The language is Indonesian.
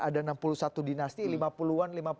ada enam puluh satu dinasti lima puluh an